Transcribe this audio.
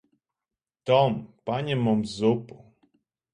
Tom. Paņem mums zupu.